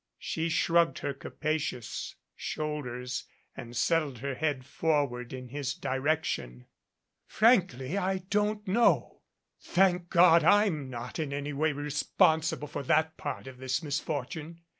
She shrugged her capacious shoulders and settled her head forward in his direction. "Frankly, I don't know. Thank God, I'm not in any way responsible for that part of this misfortune.